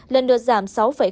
lần được giảm sáu tám